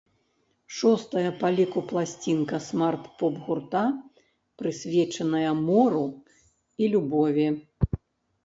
Шостая па ліку пласцінка смарт-поп гурта, прысвечаная мору і любові.